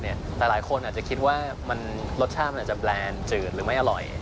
แต่หลายคนอาจจะคิดว่ารสชาติมันอาจจะแบรนด์จืดหรือไม่อร่อย